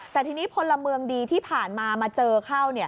แต่ทีนี้พลเมืองดีที่ผ่านมามาเจอเข้า